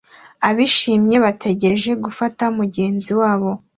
Abishimye bategereje gufata mugenzi wabo